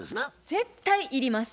絶対いります。